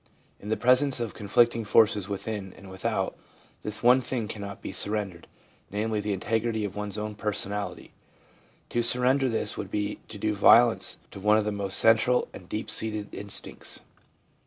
In the presence of conflicting forces within and with out, this one thing cannot be surrendered, namely, the integrity of one's own personality ; to surrender this would be to do violence to one of the most central and deep seated instincts.